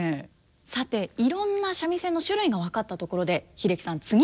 さていろんな三味線の種類が分かったところで英樹さん次は？